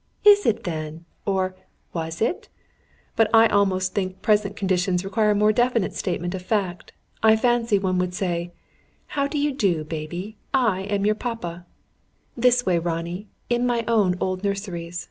'Is it then?' or 'Was it?' But I almost think present conditions require a more definite statement of fact. I fancy one would say: 'How do you do, baby? I am your papa!' ... This way, Ronnie, in my own old nurseries.